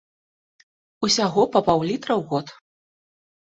Усяго па паўлітра ў год.